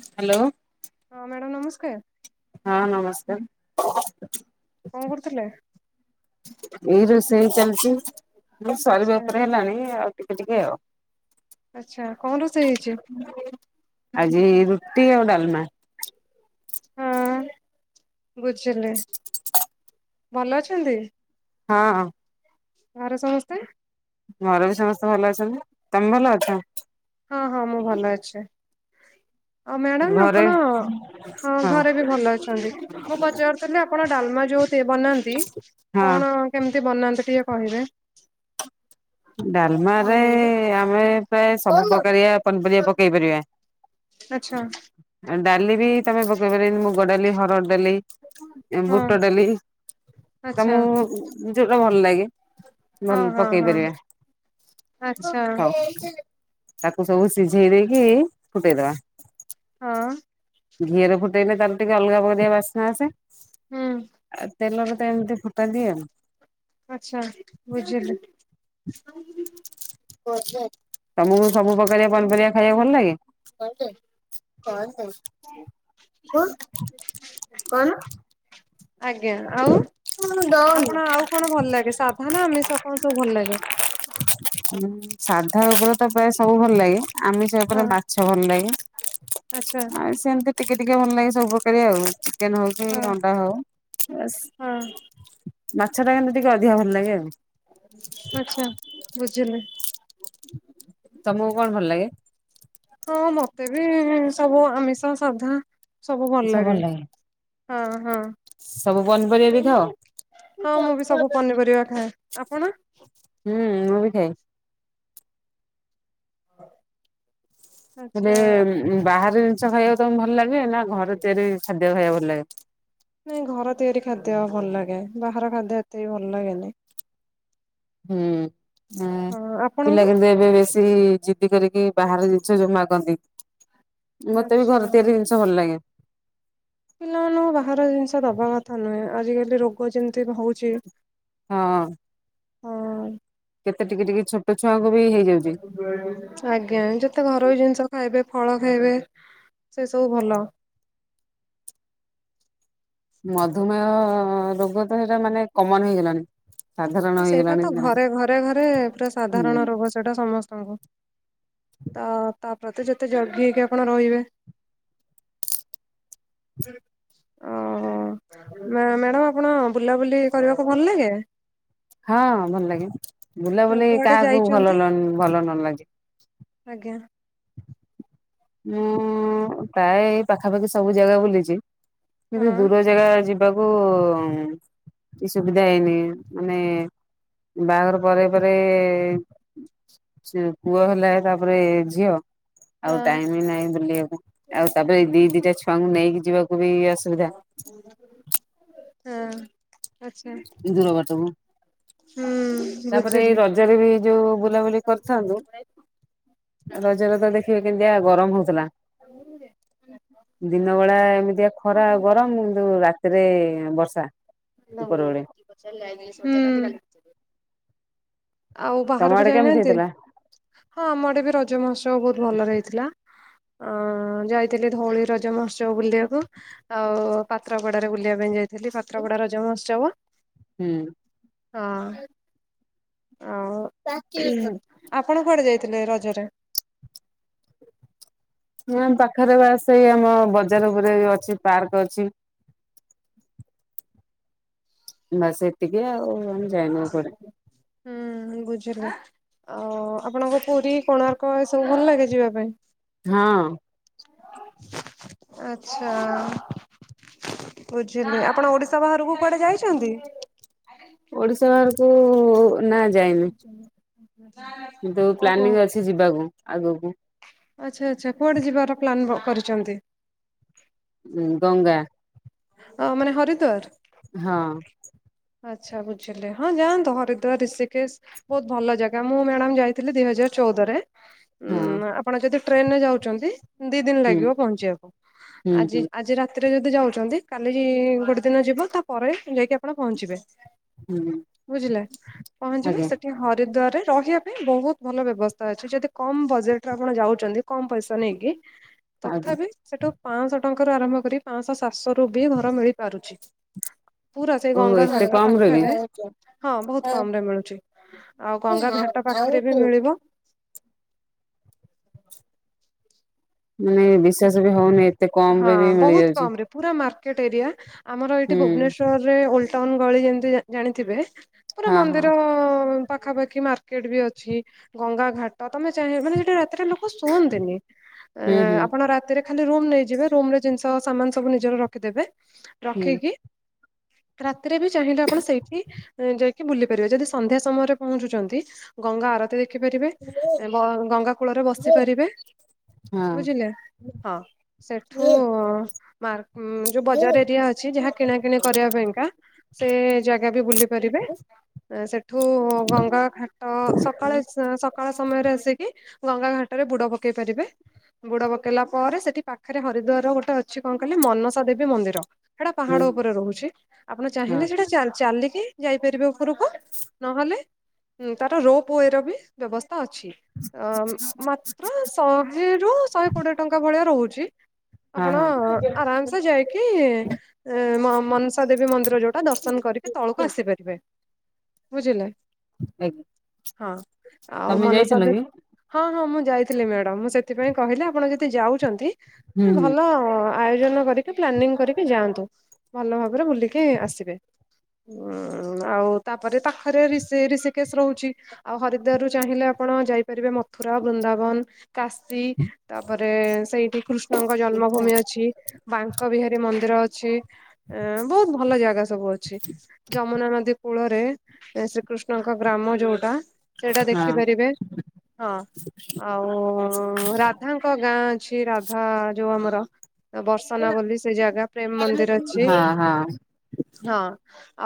Hello. ହଁ madam ନମସ୍କାର। ହଁ ନମସ୍କାର। କଣ କରୁଥିଲେ। ଏଇ ରୋଷେଇ ଚାଲିଛି ସରିବା ଆଚ୍ଛା ଉପରେ ହେଲାଣି ଆଉ ଟିକେ ଟିକେ ଆଉ। ଆଚ୍ଛା କଣ ରୋଷେଇ ହେଇଛି? ଆଜି ରୁଟି ଆଉ ଡାଲମା। ହଁ ବୁଝିଲି। ଭଲ ଅଛନ୍ତି। ହଁ। ଘରେ ସମସ୍ତେ। ଘରେ ବି ସମସ୍ତେ ଭଲ ଅଛନ୍ତି ତମେ ଭଲ ଅଛ। ହଁ ହଁ ମୁଁ ଭଲ ଅଛି। ଆଉ ମ୍ୟାଡାମ ଘରେ ଆପଣ ହଁ ଘରେ ବି ଭଲ ଅଛନ୍ତି ମୁଁ ପଚାରୁ ଥିଲି ଆପଣ ଡାଲମା ଯୋଉ ଦେ ବନାନ୍ତି ହଁ କଣ କେମିତି ବନାନ୍ତି ଟିକେ କହିବେ। ଡାଲମା ରେ ଆମେ ପ୍ରାୟ ସବୁ ପ୍ରକାରିଆ ପନିପରିବା ପକେଇ ପାରିବା। ଆଛା। ଆଉ ଡାଲି ବି ତମେ ପକେଇ ପାରିବି ମୁଗ ଡାଲି ହରଡ଼ ଡାଲି। ହଁ ବୁଟ ଡାଲି ଆଚ୍ଛା ତମକୁ ଯୋଉଟା ଭଲ ଲାଗେ। ହଁ ଭଲ ହଁ ପକେଇ ହଁ ପାରିବା। ଆଚ୍ଛା ହଉ ତାକୁ ସବୁ ସିଝେଇ ଦେଇକି ଫୁଟେଇଦବା। ହଁ ଘିଅରେ ଫୁଟେଇଲେ ତାର ଟିକେ ଅଲଗା ପରିକା ବାଷ୍ଣ ଆସେ। ହୁଁ ତେଲରେ ତ ଏମିତି ଫୁଟାନ୍ତି ଆଉ। ଆଚ୍ଛା ବୁଝିଲୁ। ତମକୁ ସବୁ ପକାରିଆ ପନିପରିବା ଖାଇବାକୁ ଭଲ ଲାଗ କଣ କୁଣ କଣ ଆଜ୍ଞା ଆଉ। ଆପଣ ଆଉ କଣ ଭଲ ଲାଗେ ସାଧା ନା ଆମିଷ କଣ ସବୁ ଭଲ ଲାଗେ? ସାଧା ଉପରେ ତ ପ୍ରାୟ ସବୁ ଭଲ ଲାଗେ ଆମେ ସେ ହଁ ଉପରେ ମାଛ ଭଲ ଲାଗେ। ଆଚ୍ଛା। ଆଉ ସେମିତି ଟିକେ ଟିକେ ଭଲ ଲାଗେ ସବୁ ପ୍ରକାରରେ ଆଉ ଚିକେନ ହଉ କି ହଁ ଅଣ୍ଡା ହଉ। ବସ୍ ହଁ ମାଛ ଟା କିନ୍ତୁ ଟିକେ ଅଧିକା ଭଲ ଲାଗେ ଆଉ। ଆଛା ବୁଝିଲି। ତମକୁ କଣ ଭଲ ଲାଗେ? ହଁ ମତେ ବି ସବୁ ଆମିଷ ସାଧା ସବୁ ଭଲ ଲାଗେ। ହଁ ହଁ। ସବୁ ପନିପରିବା ହଁ ମୁଁ ବି ଖାଅ। ସବୁ ପନିପରିବା ଖାଏ ଆପଣ? ହୁଁ ମୁଁ ବି ଖାଏ। ଆଚ୍ଛା ହେଲେ ବାହର ଜିନିଷ ଖାଇବାକୁ ତମକୁ ଭଲ ଲାଗେ ନା ଘରେ ତିଆରି ଖାଦ୍ୟ ଖାଇବାକୁ ଭଲ ଲାଗେ? ନାଇଁ ଘର ତିଆରି ଖାଦ୍ୟ ଭଲ ଲାଗେ ବାହାର ଖାଦ୍ୟ ଏତେ ବି ଭଲ ଲାଗେନି। ହୁଁ ହଁ ପିଲା ଆପଣଙ୍କୁ କିନ୍ତୁ ଏବେ ବେଶ ଜିଦି କରିକି ବାହର ଜିନିଷ ଯୋଉ ମାଗନ୍ତି ମତେ ବି ଆଚ୍ଛା। ଘରେ ତିଆରି ଜିନିଶ ଭଲ ଲାଗେ। ପିଲାମାନଙ୍କୁ ବାହାର ଜିନିଷ ଦେବା କଥା ନୁହେଁ ଆଜିକାଲି ରୋଗ ଯେମିତି ହଉଛି। ହଁ। ହଁ କେତେ ଟିକି ଟିକି ଛୋଟ ଛୁଆଙ୍କୁ ବି ହେଇଯାଉଛି। ଆଜ୍ଞା ଯେତେ ଘରୋଇ ଜିନିଷ ଖାଇବେ ଫଳ ଖାଇବେ ସେ ସବୁ ଭଲ। ମଧୁମେହ ରୋଗ ତ ସେଇଟା ମାନେ କମନ୍ ହେଇଗଲାଣି। ସାଧାରଣ ସେଇଟା ହେଇଗଲାଣି ତ ଘରେ ଘରେ ଘରେ ପୁରା ହୁଁ ସାଧାରଣ ରୋଗ। ଯୋଉଟା ସମସ୍ତଙ୍କୁ ତ ତା ପି ପ୍ରତେ ଯେତେ ଜଗି ହେଇକି ଆପଣ ରହିବେ। ଓହ ମ୍ୟାଡ଼ାମ ଆପଣ ବୁଲାବୁଲି କରିବାକୁ ଭଲ ଲାଗେ? ହଁ ଭଲ ଲାଗେ ବୁଲାବୁଲି କୁଆଡେ କାହାକୁ ଯାଇଛନ୍ତି ଭଲ ନ ଭଲ ନ ଲାଗେ। ଆଜ୍ଞା। ମୁଁ ପ୍ରାୟ ଏ ପାଖାପାଖି ସବୁ ଜାଗା ବୁଲିଛି। କିନ୍ତୁ ହଁ। ଦୂର ଜାଗା ଜି ଯିବାକୁ କି ସୁବିଧା ହେଇନି ମାନେ ବାହାଘର ପରେ ପରେ ସେ ପୁଅ ହେଲା ତାପରେ ଝିଅ। ଆଉ ହଁ। ଟାଇମ ନାହିଁ ବୁଲିବାକୁ ଆଉ ତାପରେ ଦି ଦିଟା ଛୁଆଙ୍କୁ ନେଇକି ଯିବାକୁ ବି ଅସୁବିଧା। ହଁ ଆଚ୍ଛା। ଦୂର ବାଟକୁ ହୁଁ ତାପରେ ଏଇ ବୁଝିଲି। ରଜରେ ବି ଯୋଉ ବୁଲାବୁଲି କରିଥାନ୍ତୁ ରଜରେ ତ ଦେଖିବେ କେମିତିଆ ଗରମ ହଉଥିଲା। ନିମେ ଦିନବେଳା ଏମିତିଆ ଖରା ଗରମ କିନ୍ତୁ ରାତିରେ ବର୍ଷା। ଉପର ଓଳି। ହୁଁ। ଆଉ ତମ ବାହାରକୁ ଆଡେ କେମିତି ଯାଇନାହାନ୍ତି ହେଇଥିଲା? ହଁ ଆମଆଡେ ବି ରଜ ମହୋତ୍ସବ ବହୁତ ଭଲରେ ହେଇଥିଲା। ଅଁ ଯାଇଥିଲି ଧଉଳି ରଜ ମହୋତ୍ସବ ବୁଲିବାକୁ। ଆଉ ପାତ୍ରପଡାରେ ବୁଲିବା ପାଇଁ ଯାଇଥିଲି ପାତ୍ରପଡା ରଜ ମହୋତ୍ସବ। ହୁଁ। ହଁ ଆଉ। ଆପଣ କୁଆଡେ ଯାଇଥିଲେ ରଜରେ। ମୁଁ ଏ ପାଖରେ ବା ସେଇ ଆମ ବଜାର ଉପରେ ଏଇ ଅଛି ପାର୍କ ଅଛି। ବାସ ଏତିକି ଆଉ ଆମେ ଯାଇନୁ କୁଆଡେ। ହୁଁ ବୁଝିଲି। ଆଉ ଆପଣଙ୍କୁ ପୁରୀ କୋଣାର୍କ ଏ ସବୁ ଭଲ ଲାଗେ ଯିବା ପାଇଁ। ହଁ। ଆଚ୍ଛା। ବୁଝିଲି ଆପଣ ଓଡିଶା ବାହାରୁକୁ କୁଆଡେ ଯାଇଚନ୍ତି। ଓଡିଶା ବାହାରୁକୁ ନା ଯାଇନି। କିନ୍ତୁ ଓହୋ ପ୍ଲାନିଂ ଅଛି ଯିବାକୁ ଆଗୁକୁ। ଆଚ୍ଛା ଆଚ୍ଛା କୁଆଡ଼େ ଯିବାର ପ୍ଲାନ୍ ବ କରିଚନ୍ତି? ଉଁ ଗଙ୍ଗା। ଗଙ୍ଗା ମାନେ ହରିଦ୍ୱାର। ହଁ। ଆଚ୍ଛା ବୁଝିଲି ହଁ ଯାଆନ୍ତୁ ହରିଦ୍ୱାର ରିଷିକେଶ। ବହୁତ ଭଲ ଜାଗା ମୁଁ ମ୍ୟାଡାମ ଯାଇଥିଲି ଦିଇ ହଜାର ଚଉଦରେ। ହଁ ଉଁ ଆପଣ ଯଦି ଟ୍ରେନରେ ଯାଉଚନ୍ତି ଦିନ ହୁଁ ଲାଗିବ ପହଞ୍ଚିବାକୁ ହୁଁ ଆଜି ହୁଁ ଆଜି ରାତ୍ ରାତିରେ ଯଦି ଯାଉଚନ୍ତି କାଲି ଗୋଟେ ଦିନ ଯିବ ତାପରେ ଯାଇକି ଆପଣ ପହଞ୍ଚିବେ। ହୁଁ ବୁଝିଲେ ପହଞ୍ଚିବେ ଆଜ୍ଞା ସେଠି। ହରିଦ୍ୱାର ରେ ରହିବା ପାଇଁ ବହୁତ ଭଲ ବ୍ୟବସ୍ଥା ଅଛି ଯଦି କମ ବଜେଟରେ ଆପଣ ଯାଉଚନ୍ତି। କମ ପଇସା ନେଇକି ଆଜ୍ଞା ତଥାପି ସେଠୁ ପାଆଁଶ ଟଙ୍କାରୁ ଆରମ୍ଭ କରି ପାଆଁଶ ସାତଶହ। ରୁ ବି ଘର ମିଳିପାରୁଛି। ପୁରା ସେଇ ଓ ଗଙ୍ଗା ଏତେ ଘାଟ କମ ରେ ବି ପାଖେରେ ହଁ ବହୁତ କମ ରେ ମିଳୁଛି। ଆଉ ଗଙ୍ଗା ଘାଟ ପାଖେରେ ବି ମିଳିବ। ମାନେ ବିଶ୍ୱାସ ବି ହଉନି ଏତେ କମ ହଁ ରେ ବି ବହୁତ ମିଳିଯାଉଚି। କମ ରେ ପୁରା ମାର୍କେଟ ଏରିଆ ଆମର ଏଇଠି ଭୁବନେଶ୍ୱରରେ ଓଲ୍ଡ ଟାଉନ ଗଳି ଯେମତି ଯା ଜାଣିଥିବେ। ପୁରୀ ହଁ ହଁ ମନ୍ଦିର। ପାଖାପାଖି ମାର୍କେଟ ବି ଅଛି ଗଙ୍ଗା ଘାଟ ତମେ ଚାହିଁ ମାନେ ସେଠେ ରାତିରେ ଲୋକ। ଶୁଅନ୍ତିନି ଏ ହୁଁ ହୁଁ ଆପ ରାତିରେ ଖାଲି ରୁମ ନେଇଯିବେ ରୁମ ରେ ଜିନିଷ ସାମାନ ସବୁ ନିଜର ରଖିଦେବେ ରଖିକି। [inaudible] ରାତିରେ ବି ଚାହିଁଲେ ଆପଣ ସେଇଠି ଯାଇକି ବୁଲି ପାରିବେ ଯଦି ସନ୍ଧ୍ୟା ସମୟରେ ପହଞ୍ଚୁଚନ୍ତି। ଗଙ୍ଗା ଆରତି ଦେ ଖି ପାରିବେ ଗ ଗଙ୍ଗା କୂଳରେ ବସି ହୁଁ ପାରିବେ ହଁ ବୁଝିଲେ। ହଁ ସେଠୁ ହୁଁ ମାର୍କ ଯୋଉ ବଜାର ଏରିଆ ଅଛି ଯାହା କିଣା କିଣି କରିବା ପାଇଁକା ସେ ଜାଗା ବି ବୁଲି ପାରିବେ। ସେଠୁ ଗଙ୍ଗା ଘାଟ ସକାଳେ ସକାଳ ସମୟରେ ଆସିକି। ଗଙ୍ଗା ଘାଟେ ରେ ବୁଡ ପକେଇ ପାରିବେ ବୁଡ ପ କେଇଲା ପରେ ସେଠି ପାଖେରେ ହରିଦ୍ୱାର ର ଗୋଟେ ଅଛି କଣ କହିଲେ ମନସା ଦେବୀ ମନ୍ଦିର। ହେଟା ହଁ ପାହାଡ ଉପରେ ରହୁଛି ଆପଣ ଚାହିଁଲେ ସେଟା ଚାଲ ଚାଲିକି। ଯାଇପାରିବେ ଉପୁରୁକୁ, ନହଲେ ଉଁ, ତାର ରୋପ ୱେର ବି ବ୍ୟବସ୍ଥା ଅଛି, ଅ, ମାତ୍ର ଶହେ ରୁ ଶହେ କୋଡିଏ ଟଙ୍କା ଭଳିଆ ରହୁଛି, ହଁ ଆପଣ ହଁ ଆରାମ ସେ ଯାଇକି ଏ ମ-ମନସା ଦେବୀ ମନ୍ଦିର ଯୋଉଟା ଦର୍ଶନ କରିକି ତଳକୁ ଆସିପାରିବେ। ବୁଝିଲେ? ଆଜ୍ଞା ହଁ ଆଉ ତମେ ମନସା ଯାଇଥିଲ ଦେ କି? ହଁ, ହଁ ମୁଁ ଯାଇଥିଲି ମ୍ୟାଡାମ୍, ମୁଁ ସେଥିପାଇଁ କହିଲି ଆପଣ ଯଦି ଯାଉଛନ୍ତି ହୁଁ ଏଁ, ହୁଁ ଭଲ ଓ ଆୟୋଜନ କରିକି ପ୍ଲାନିଂ କରିକି ଯାଆନ୍ତୁ ଭଲ ଭାବରେ ବୁଲିକି ଆସିବେ। ଉଁ, ଆଉ ତାପରେ ପାଖରେ ରିଷି ରଷିକେଶ ରହୁଛି। ଆଉ ହରିଦୁଆର ରୁ ଚାହିଁଲେ ଆପଣ ଯାଇପାରିବେ, ମଥୁରା, ବୃନ୍ଦାବନ। କାଶୀ ତାପରେ ସେଇଠି କୃଷ୍ଣଙ୍କ ହଁ। ଜନ୍ମଭୂମି ଅଛି। ବାଙ୍କ ବିହାରୀ ମନ୍ଦିର ଅଛି। ଏ ବହୁତ ଭଲ ଜାଗା ସବୁ ଅଛି, ଯମୁନା ନଦୀ କୂଳରେ ଏ ଶ୍ରୀକୃଷ୍ଣଙ୍କ ଗ୍ରାମ ଯୋଉଟା ସେଇଟା ହଁ ଦେଖିପାରିବେ। ହଁ ଆଉ ରା ଧାଙ୍କ ଗାଁ ଅଛି, ରାଧା ଯୋଉ ଆମର ଏ ବର୍ଷନା ବୋଲି ସେ ଜାଗା ପ୍ରେମ ମନ୍ଦିର ଅଛି। ହଁ ହଁ ହଁ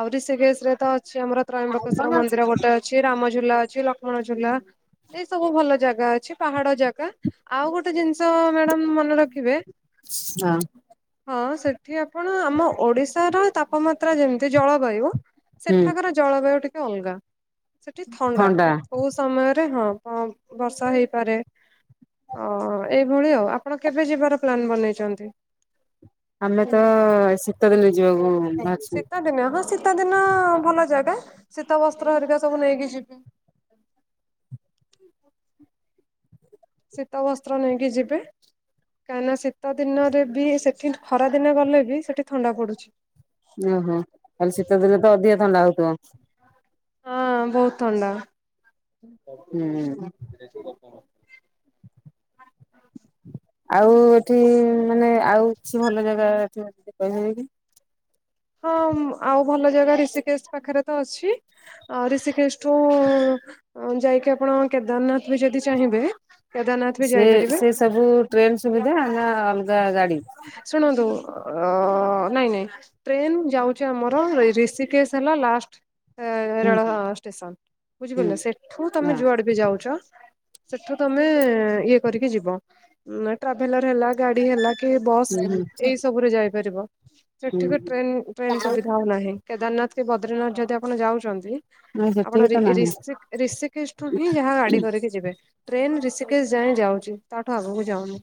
ଆଉ ରିଷିକେଶ ରେ ତ ଅଛି ଆମର ତ୍ର୍ୟମ୍ବକେଶ୍ଵର ମନ୍ଦିର ଗୋଟେ ଅ ଛି ରାମଝୁଲା ଅଛି ଲକ୍ଷ୍ମଣ ଝୁଲା ଏଇ ସବୁ ଭଲ ଜାଗା ଅଛି, ପାହାଡ ଜାଗା। ଆଉ ଗୋଟେ ଜିନିଷ ମ୍ୟାଡାମ୍ ମନେ ରଖିବେ ହଁ। ହଁ ସେଠି ଆପଣ ଆମ ଓଡ଼ିଶାର ତାପମାତ୍ରା ଯେମିତି ଜଳବାୟୁ ହୁଁ ସେଠାକାର ଜଳବାୟୁ ଟିକେ ଅଲଗା ସେଠି ଥଣ୍ଡା। କେ କୋଉ ସମୟରେ ହଁ କମ ବର୍ଷା ହେଇପାରେ। ଅ ଏଇଭଳି ଆଉ, ଆପଣ କେବେ ଯିବାର ପ୍ଲାନ୍ ବନେଇଛନ୍ତି? ଆମେ ତ ଶୀତ ଦିନେ ଯିବାକୁ ଉଁ, ବାହା ଶୀତା ଦିନ ହଁ ଶୀତ ଦିନ ଭଲ ଜାଗା ଶୀତ ବସ୍ତ୍ର ହରିକା ସବୁ ନେଇକି ଯିବେ। ଶୀତ ବସ୍ତ୍ର ନେଇକି ଯିବେ। କାହିଁକି ନା ଶୀତ ଦିନରେ ବି ସେଠି ଖରା ଦିନ ଗଲେ ବି ସେଠି ଥଣ୍ଡା ପଡୁଛି। ଓହୋ, ଆଉ ଶୀତଦିନେ ତ ଅଧିକା ଥଣ୍ଡା ହଉଥୁବ। ହଁ ବହୁତ ଥଣ୍ଡା। ହୁଁ। [inaudible] ଆଉ ଏଠି ମାନେ ଆଉ କିଛି ଭଲ ଜାଗା ଏଠି ଅଛି କହିପାରିବେ କି? ହଁ ଉଁ, ଆଉ ଭଲ ଜାଗା ରିଷିକେଶ ପାଖରେ ତ ଅଛି। ଆଉ ରିଷିକେଶଠୁ ଅଁ, ଯାଇକି ଆପଣ କେଦାରନାଥ ବି ଯଦି ଚାହିଁବେ କେଦାରନାଥ ବି ସେ ଯାଇପାରିବେ ସେ ସବୁ ଟ୍ରେନ୍ ସୁବିଧା ନା ଅଲଗା ଗାଡି? ଶୁଣନ୍ତୁ ଅ, ନାଇଁ ନାଇଁ ଟ୍ରେନ୍ ଯାଉଛି ଆମର ରି-ରିଷିକେଶ ସେ ହେଲା ଲାଷ୍ଟ୍। ଏ ହୁଁ ରେଳ ଷ୍ଟେସନ୍ ହୁଁ ବୁଝିପାରିଲ ସେଠୁ ତୋମେ ହଁ। ଯୁଆଡେ ବି ଯାଉଚ ସେଠୁ ତୋମେ ଇଏ କରିକି ଯିବ। ଉଁ, ଏ ଟ୍ରାଭେଲର୍ ହେଲା ଗାଡି ହେଲା କି ବସ୍ ହୁଁ ହୁଁ ଏଇ ସବୁରେ ଯାଇପାରିବ। ହୁଁ ସେଠିକି ଟ୍ରେନ୍ ଟ୍ରେନ୍ ସୁବିଧା ଆଉ ନାହିଁ। କେଦାରନାଥ କି ବଦ୍ରୀନାଥ ଯଦି ଆପଣ ଯାଉଚନ୍ତି ନାଇଁ ଆପଣ ସେତିକି ତ ନାହିଁ ରି-ରିଷିକ ରିଷି କେଶ ଠୁ ହିଁ ଯାହା ଗାଡି କରିକି ଯିବେ। ଟ୍ରେନ୍ ରିଷିକେଶ ଯାଏଁ ଯାଉଛି, ତାଠୁ ଆଗକୁ ଯାଉନି।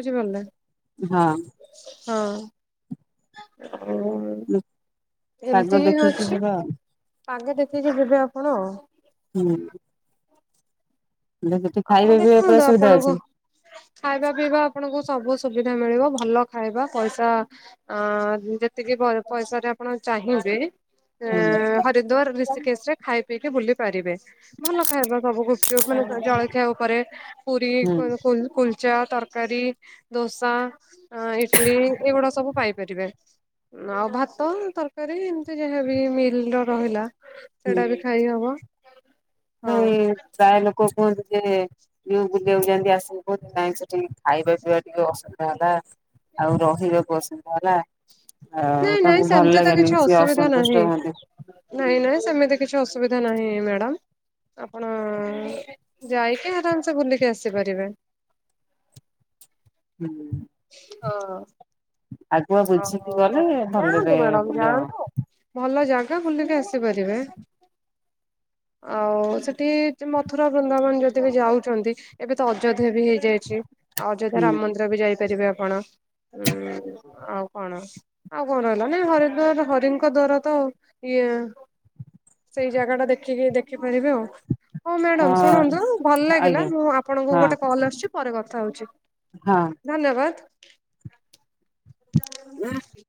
ବୁଝି ପାରିଲେ? ହଁ। ହଁ। ଆଉ ମୁଁ ପାଗ ଏମିତି ହିଁ ଦେଖିକି ଅଛି ଯିବା ଆଉ ଆଗେ ଦେଖିକି ଯିବେ ଆପଣ ଆ ହୁଁ। ସେଠି ଆପଣ ଖାଇବା ପିଇବା ପୁରା ଦେଖନ୍ତୁ ସୁବିଧା ଅଛି। ଆପଣଙ୍କୁ। ଖାଇବା ପିଇବା ଆପଣଙ୍କୁ ସବୁ ସୁବିଧା ମିଳିବ ଭଲ ଖାଇବା ପଇସା ଆ ଯେତିକି ପଇସାରେ ଆପଣ ଚାହିଁବେ ହୁଁ ହରିଦ୍ଵାର ରଋଷିକେଶ ରେ ଖାଇ ପିଇକି ବୁଲି ପାରିବେ। ଭଲ ଖାଇବା ସବୁଗୁପଚୁପ ମାନେ ଜଳଖିଆ ଉପରେ ହୁଁ ପୁରୀକୁ ଚା ତରକାରୀ ଦୋସା ଇଟଲି ଏଇଗୁଡ଼ା ସବୁ ପାଇପାରିବେ। ଆଉ ଭାତ ତରକାରୀ ଏମିତି ଯାହା ବି ମିତରେ ରହିଲା ସେଟା ବି ଖାଇ ହବ। ହଁ ନାଇଁ ପ୍ରାୟ ଲୋକ କୁହନ୍ତିୁ ଯେ ଯୋଉ ବୁଲିିବାକୁ ଯାଆନ୍ତି ଆସି କ ନାଇଁ ସେଠିକି ଖାଇବା ପିଇବା ଟିକେ ଅସୁବିଧା ହେଲା ଆଉ ରହିବାକୁ ଅସୁବଧା ହେଲା ଆଉ ନାଇଁ ନାଇଁ ତାଙ୍କୁ ଭଲ ସେମିତି ତ ଲାଗେନି କିଛି ସିଏ ଅସୁବିଧା ନାହିଁ। ଅସନ୍ତୁଷ୍ଟ ହୁଅନ୍ତି, ' ନାଇଁ ନାଇଁ ସେମିତି କିଛି ଅସୁବିଧା ନାହିଁ ମ୍ୟାଡ଼ାମ ଆପଣ ଯାଇକି ଆରାମ ସେ ବୁଲିକି ଆସିପାରିବେ। ହୁଁ ହୁଁ। ହଁ। ଆଗୁଆ ଆଉ ବୁଝିକି ଗଲେ ଯାଆନ୍ତୁ ଭଲରେ ମ୍ୟାଡାମ ବୁଲି ହବ। ଯାଆନ୍ତୁ ଭଲ ଜାଗା ବୁଲିକି ଆସିପାରିବେ। ଆଉ ସେଠି ମଥୁରା ବୃନ୍ଦାବନ ଯଦି ବି ଯାଉଛନ୍ତି ଏବେ ତ ଅଯୋଧ୍ୟା ବି ହେଇଯାଇଛି। ଆଉ ଅଯୋଧ୍ୟା ହୁଁ ରାମ ମନ୍ଦିର ବି ଯାଇପାରିବେ ଆପଣ ଉଁ ଆଉ କଣ ଆଉ କଣ ରହିଲା ନାଇ ହରିଦ୍ଵାର ହରିଙ୍କ ଦ୍ଵାର ତ ଇଏ ସେଇ ଜାଗା ଟା ଦେଖିକି ଦେଖିପାରିବେ ଆଉ। ହଉ ହଁ ମ୍ୟାଡାମ ଶୁଣନ୍ତୁ ଭଲ ଲାଗିଲା ଆଜ୍ଞା ମୁଁ ଆପଣଙ୍କୁ ହଁ ଗୋଟେ କଲ ଆସଛି ପରେ କଥା ହଉଛି। ହଁ। ଧନ୍ୟବାଦ୍‌। ହୁଁ।